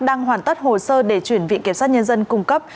đang hoàn tất hồ sơ để chuyển vị kiểm soát nhân dân cung cấp